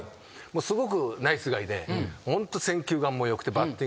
すごくナイスガイでホント選球眼も良くてバッティングも良くて。